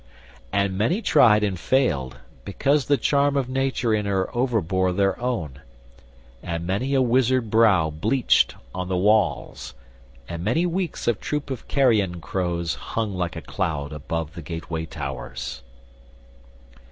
And many tried and failed, because the charm Of nature in her overbore their own: And many a wizard brow bleached on the walls: And many weeks a troop of carrion crows Hung like a cloud above the gateway towers."